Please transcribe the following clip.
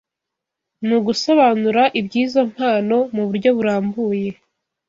ni ugusobanura iby’izo mpano mu buryo burambuye